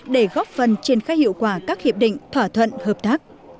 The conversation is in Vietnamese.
để góp phần trên khai hiệu quả các hiệp định thỏa thuận hợp tác